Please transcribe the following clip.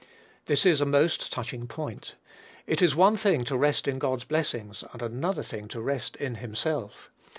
This is a most touching point. It is one thing to rest in God's blessings, and another thing to rest in himself.